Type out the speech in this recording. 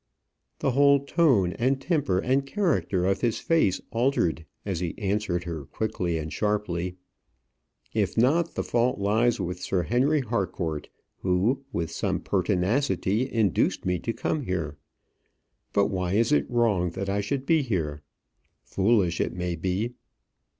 The whole tone, and temper, and character of his face altered as he answered her quickly and sharply "If not, the fault lies with Sir Henry Harcourt, who, with some pertinacity, induced me to come here. But why is it wrong that I should be here? foolish it may be."